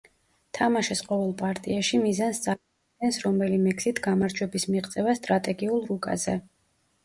თამაშის ყოველ პარტიაში მიზანს წარმოადგენს რომელიმე გზით გამარჯვების მიღწევა სტრატეგიულ რუკაზე.